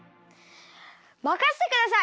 まかせてください！